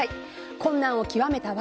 困難を極めた訳。